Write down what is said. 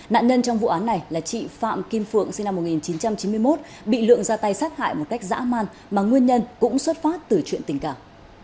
nạn nhân trong vụ án này là chị phạm kim phượng sinh năm một nghìn chín trăm chín mươi một bị lượng ra tay sát hại một cách dã man mà nguyên nhân cũng xuất phát từ chuyện tình cảm